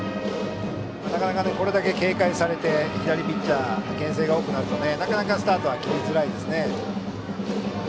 なかなかこれだけ警戒されて左ピッチャーけん制が多くなるとなかなかスタートは切りづらいですね。